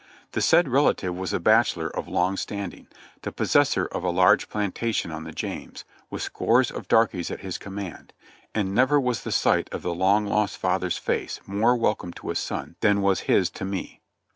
The said relative was a bachelor of long standing, the possessor of a large plantation on the James, with scores of darkies at his com mand; and never was the sight of the "long lost father's" face more welcome to a son than was his to me.